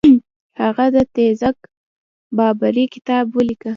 هغه د تزک بابري کتاب ولیکه.